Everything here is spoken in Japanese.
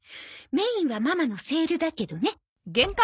メインはママのセールだけどね。